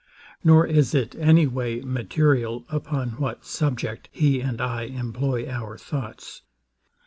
Nor is it any way material upon what subject he and I employ our thoughts.